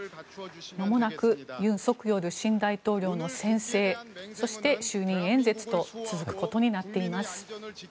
まもなく尹錫悦新大統領の宣誓そして、就任演説と続くことになっています。